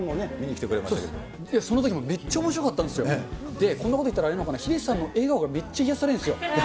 前、そのときもめっちゃおもしろかったんですよ、こんなこと言ったらいいのかな、ヒデさんの笑顔がめっちゃ癒やされるんですよ。